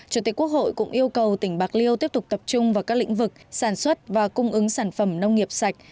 chủ tịch quốc hội cũng yêu cầu tỉnh bạc liêu tiếp tục tập trung vào các lĩnh vực sản xuất và cung ứng sản phẩm nông nghiệp sạch